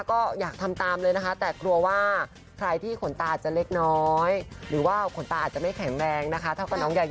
ก็อยากทำตามเลยนะคะแต่กลัวว่าใครที่ขนตาจะเล็กน้อยหรือว่าขนตาอาจจะไม่แข็งแรงนะคะเท่ากับน้องใหญ่